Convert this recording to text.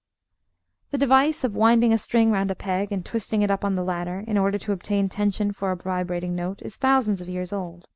The device of winding a string round a peg and twisting it up on the latter in order to obtain tension for a vibrating note is thousands of years old.